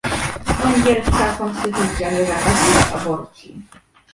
węgierska konstytucja nie zakazuje aborcji